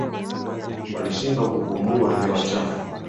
Walishindwa kupumua hewa chafu